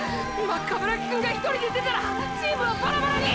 今鏑木くんが１人で出たらチームはバラバラに！